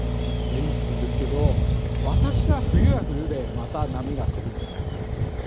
いい質問ですけど私は冬は冬でまた波が来るんじゃないかなと思います。